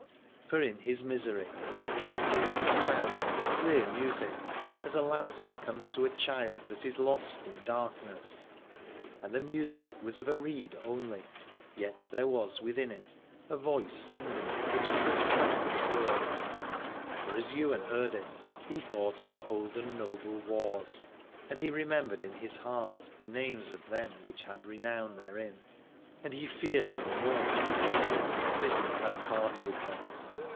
For in his misery there came to him a sound of clear music, as a lantern comes to a child that is lost in darkness : and the music was of a reed only, yet there was within it a voice singing that was as plain as words. For as Ywain heard it he thought on old and noble wars, and he remembered in his heart the names of them which had renown therein ; and he feared no more to be hated, for he had part with them.